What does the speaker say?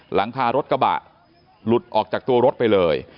หลังคารถกระบะหลุดออกจากตัวรถไปเลย